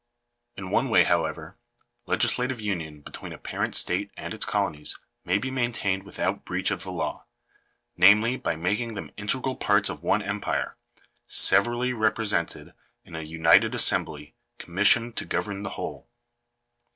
In one way, however, legislative union between a parent state and its colo nies may be maintained without breach of the law ; namely, by making them integral parts of one empire, severally represented in a united assembly commissioned to govern the whole.